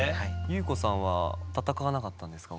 裕子さんは戦わなかったんですか？